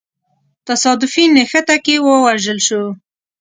تصادفي نښته کي ووژل سو.